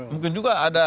mungkin juga ada